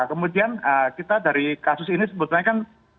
kemudian kita dari kasus ini sebetulnya kan